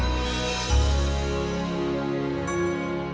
siliwangi akan datang kemari